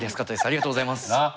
ありがとうございます。